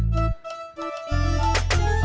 jalan sekarang yuk